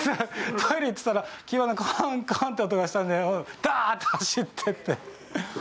トイレに行っていたら急にコォンコォンと音がしたのでダーッて走って行って。